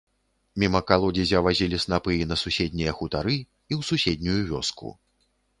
Міма калодзезя вазілі снапы і на суседнія хутары, і ў суседнюю вёску.